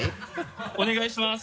お願いします